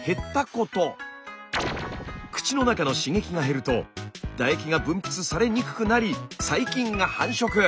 口の中の刺激が減ると唾液が分泌されにくくなり細菌が繁殖。